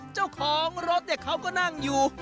เจ้าของรถเขาก็นั่งอยู่